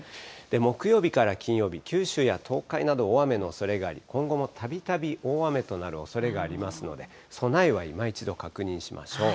木曜日から金曜日、九州や東海など、大雨のおそれがあり、今後もたびたび大雨となるおそれがありますので、備えはいま一度確認しましょう。